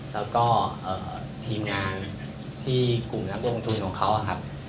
แล้วก็ทีมงานที่กลุ่มนักลงทุนของเขาครับ